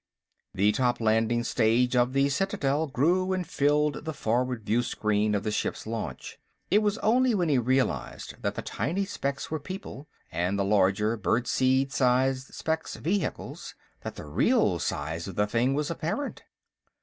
The top landing stage of the Citadel grew and filled the forward viewscreen of the ship's launch. It was only when he realized that the tiny specks were people, and the larger, birdseed sized, specks vehicles, that the real size of the thing was apparent.